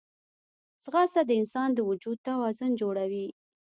ځغاسته د انسان د وجود توازن جوړوي